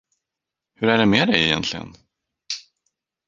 Hur är det med dig egentligen?